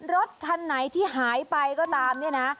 รถคันไหนที่หายไปก็ตามเนี่ยนะ